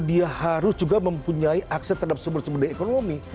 dia harus juga mempunyai akses terhadap sumber sumber daya ekonomi